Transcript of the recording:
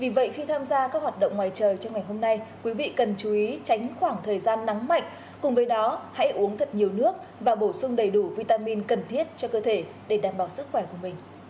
với đó hãy uống thật nhiều nước và bổ sung đầy đủ vitamin cần thiết cho cơ thể để đảm bảo sức khỏe của mình